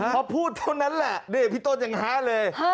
พอพูดเท่านั้นแหละพี่โต๊ะจะหาเลย